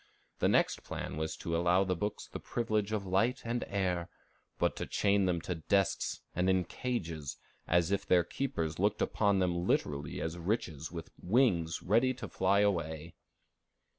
The next plan was to allow the books the privilege of light and air, but to chain them to desks and in cages, as if their keepers looked upon them literally as riches with wings ready to fly away.